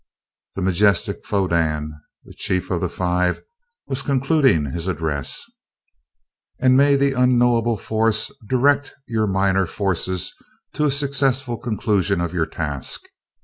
The majestic Fodan, Chief of the Five, was concluding his address: "And may the Unknowable Force direct your minor forces to a successful conclusion of your task.